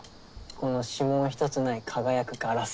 この指紋一つない輝くガラス。